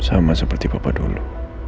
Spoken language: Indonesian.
sama seperti papa dulu